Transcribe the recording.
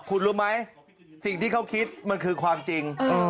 คุณรู้ไหมสิ่งที่เขาคิดมันคือความจริง